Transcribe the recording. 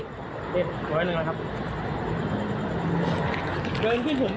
คิดร้อยหนึ่งต้องกันครับ